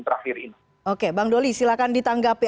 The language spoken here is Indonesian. terakhir ini oke bang doli silahkan ditanggapi